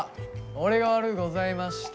俺が悪うございました。